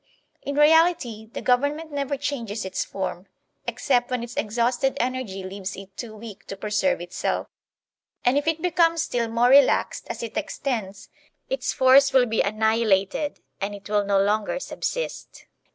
In reality, the government never changes its form ex cept when its exhausted energy leaves it too weak to preserve itself; and if it becomes still more relaxed as it extends, its force will be annihilated, and it will no longer subsist.